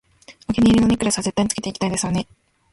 お気に入りのネックレスは絶対につけていきたいですわね